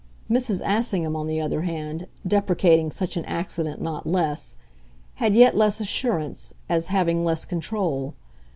Mrs. Assingham, on the other hand, deprecating such an accident not less, had yet less assurance, as having less control.